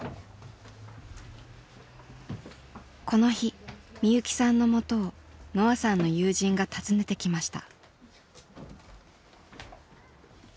この日みゆきさんのもとをのあさんの友人が訪ねてきました。